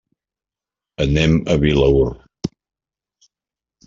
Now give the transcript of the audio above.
Anem a Vilaür.